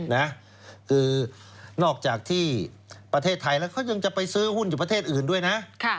นะคือนอกจากที่ประเทศไทยแล้วเขายังจะไปซื้อหุ้นอยู่ประเทศอื่นด้วยนะ